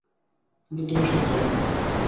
কিন্তু তুমি সব জানো।